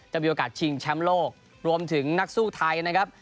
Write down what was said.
จะมีโอกาสชิงแชมป์โลกรวมถึงนักสู้ไทยนะครับ